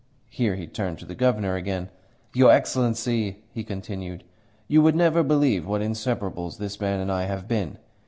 Here he turned to the Governor again. "Your Excellency," he continued, "you would never believe what inseperables this man and I have been.